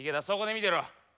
そこで見てろ。